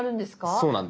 そうなんです。